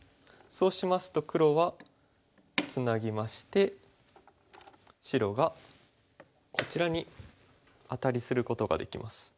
そうしますと黒はツナぎまして白がこちらにアタリすることができます。